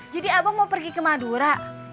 jadi abang mau pergi ke madura